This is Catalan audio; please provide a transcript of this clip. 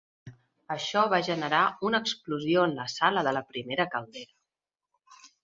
Això va generar una explosió en la sala de la primera caldera.